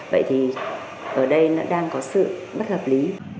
vậy thì ở đây nó đang có sự bất hợp lý